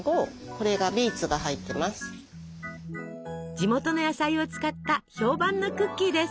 地元の野菜を使った評判のクッキーです。